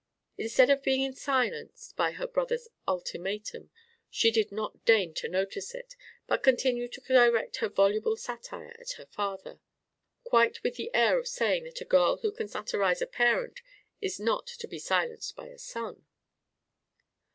Instead of being silenced by her brother's ultimatum, she did not deign to notice it, but continued to direct her voluble satire at her father quite with the air of saying that a girl who can satirize a parent is not to be silenced by a son.